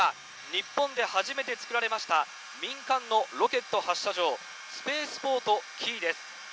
日本で初めて作られました、民間のロケット発射場、スペースポート紀伊です。